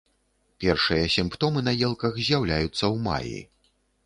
Першыя сімптомы на елках з'яўляюцца ў маі.